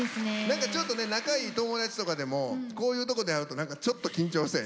何かちょっとね仲いい友達とかでもこういうとこで会うと何かちょっと緊張する。